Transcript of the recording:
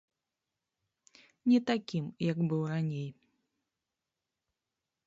Не такім, як быў раней.